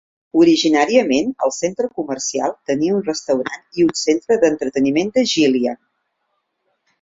Originalment, el centre comercial tenia un restaurant i un centre d'entreteniment de Jillian.